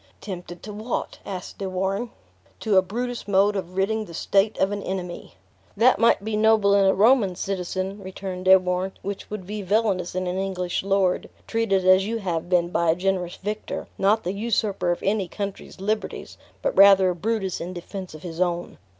"Tempted to what?" asked De Warenne. "To a Brutus mode of ridding the state of an enemy." "That might be noble in a Roman citizen," returned De Warenne, "which would be villainous in an English lord, treated as you have been by a generous victor, not the usurper of any country's liberties, but rather a Brutus in defense of his own.